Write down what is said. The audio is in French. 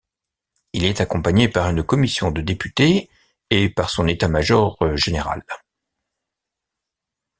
Il est accompagné par une commission de députés et par son état-major général.